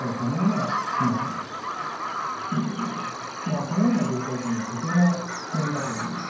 このような状態というのはとても危険だと思います。